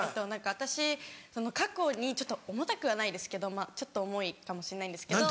私過去に重たくはないですけどちょっと重いかもしんないんですけど。